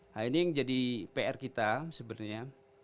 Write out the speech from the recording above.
nah ini yang jadi pr kita sebenarnya